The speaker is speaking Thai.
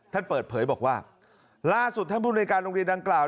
ท่านเปิดเผยบอกว่าล่าสุดท่านผู้ในการโรงเรียนดังกล่าว